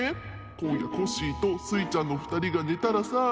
こんやコッシーとスイちゃんのふたりがねたらさあ。